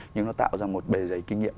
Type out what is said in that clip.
nhưng nó tạo ra một bề giấy kinh nghiệm